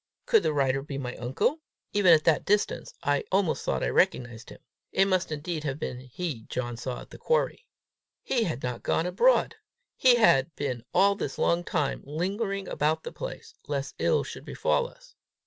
Could the rider be my uncle? Even at that distance I almost thought I recognized him. It must indeed have been he John saw at the quarry! He was not gone abroad! He had been all this long time lingering about the place, lest ill should befall us!